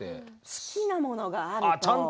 好きなものがあると。